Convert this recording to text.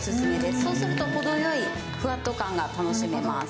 そうすると程良いふわっと感が楽しめます。